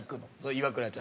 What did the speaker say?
イワクラちゃんは。